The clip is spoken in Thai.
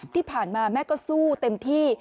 ที่ผ่านมาแม่ก็สู้เต็มที่